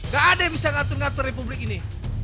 gak ada yang bisa ngatur ngatur republik ini